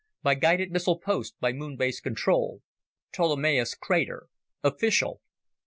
By Guided Missile Post by Moon Base control, Ptolomaeus Crater. Official.